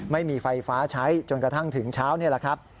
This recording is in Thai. ไม่มีไฟฟ้าใช้จนกระทั่งถึงเช้านี่แหละครับ